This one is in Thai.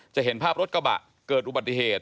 จะเห็นภาพรถกระบะเกิดอุบัติเหตุ